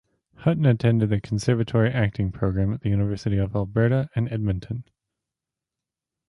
Hutton attended the conservatory acting program at the University of Alberta in Edmonton.